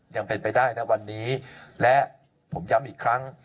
ยังเป็นไปได้นะวันนี้และผมย้ำอีกครั้ง